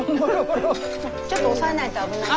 ちょっと押さえないと危ないかな。